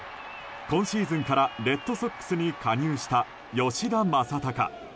今シーズンからレッドソックスに加入した吉田正尚。